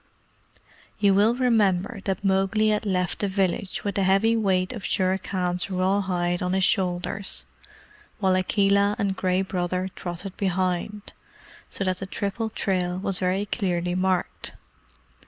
You will remember that Mowgli had left the village with the heavy weight of Shere Khan's raw hide on his shoulders, while Akela and Gray Brother trotted behind, so that the triple trail was very clearly marked.